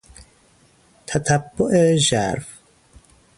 تتبع ژرف